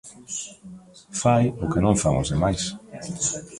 Fai o que non fan os demais.